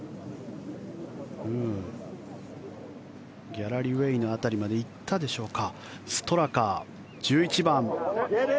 ギャラリーウェーの辺りまで行ったでしょうか。